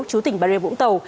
chú tỉnh bà ria vũng tàu